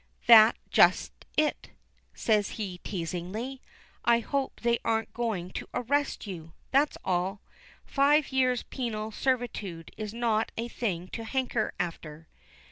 "That's just it," says he teazingly. "I hope they aren't going to arrest you, that's all. Five years' penal servitude is not a thing to hanker after."